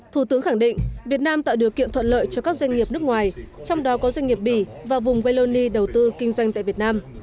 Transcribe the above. thủ tướng khẳng định việt nam tạo điều kiện thuận lợi cho các doanh nghiệp nước ngoài trong đó có doanh nghiệp bỉ và vùng wallonie đầu tư kinh doanh tại việt nam